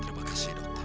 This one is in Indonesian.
terima kasih dokter